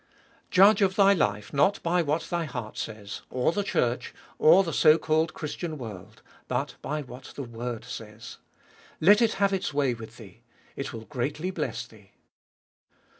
2. Judge of thy life not by what thy heart says, or the Church, or the so called Christian world— but by what the word says. Let it have its way with thee : it will greatly bless thee.